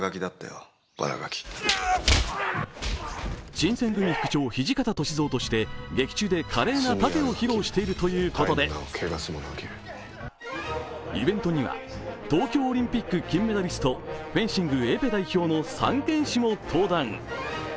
新選組副長・土方歳三として劇中で華麗な殺陣を披露しているということで、イベントには東京オリンピック金メダリストフェンシングエペ代表の３剣士も登壇。